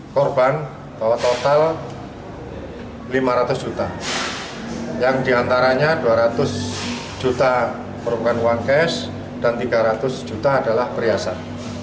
korban bahwa total lima ratus juta yang diantaranya dua ratus juta merupakan uang cash dan tiga ratus juta adalah perhiasan